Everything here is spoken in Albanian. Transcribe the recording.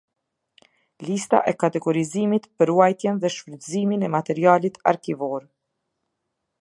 Lista e kategorizimit për ruajtjen dhe shfrytëzimin e materialit arkivor.